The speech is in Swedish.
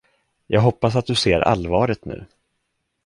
Jag hoppas att du ser allvaret nu.